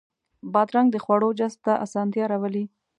بادرنګ د خواړو جذب ته اسانتیا راولي.